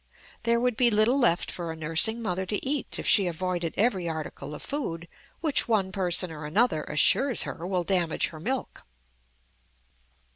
There would be little left for a nursing mother to eat if she avoided every article of food which one person or another assures her will damage her milk.